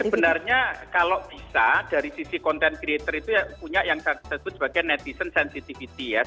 jadi sebenarnya kalau bisa dari sisi content creator itu ya punya yang tersebut sebagai netizen sensitivity ya